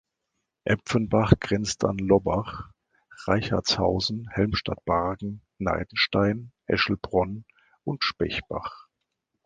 Epfenbach grenzt an Lobbach, Reichartshausen, Helmstadt-Bargen, Neidenstein, Eschelbronn und Spechbach.